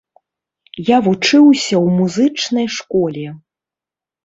Я вучыўся ў музычнай школе.